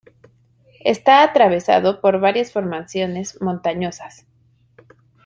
Está atravesado por varias formaciones montañosas.